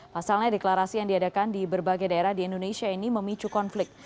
pasalnya deklarasi yang diadakan di berbagai daerah di indonesia ini memicu konflik